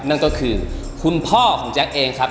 นั่นก็คือคุณพ่อของแจ๊คเองครับ